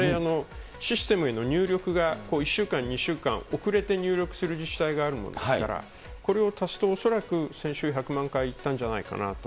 システムへの入力が１週間、２週間、遅れて入力する自治体があるもんですから、これを足すと恐らく先週１００万回いったんじゃないかなと。